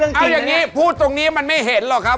เอาอย่างนี้พูดตรงนี้มันไม่เห็นหรอกครับ